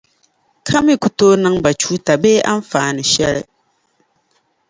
ka mi ku tooi niŋ ba chuuta bee anfaani shεli?